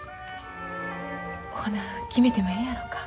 ほな決めてもええやろか。